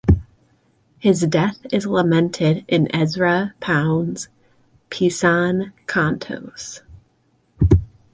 His death is lamented in Ezra Pound's "Pisan Cantos".